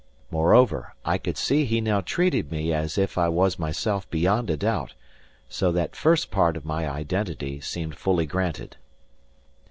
Moreover, I could see he now treated me as if I was myself beyond a doubt; so that first point of my identity seemed fully granted.